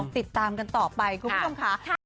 ติดตามกันต่อไปคุณผู้ชมค่ะ